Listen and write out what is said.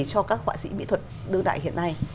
cho các họa sĩ mỹ thuật đương đại hiện nay